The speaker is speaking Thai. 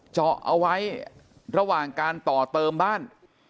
เจาะเอาไว้ระหว่างการต่อเติมบ้าน